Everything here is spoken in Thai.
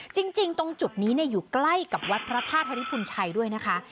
จริงตรงจุดนี้อยู่ใกล้กับวัดพระธาตุธริพุนชัยด้วยนะคะ